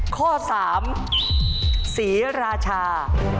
ข้อสามศรีราชา